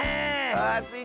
ああスイ